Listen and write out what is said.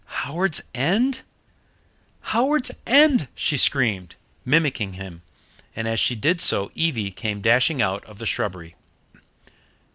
"HOWARDS END?" "HOWARDS END!" she screamed, mimicking him, and as she did so Evie came dashing out of the shrubbery.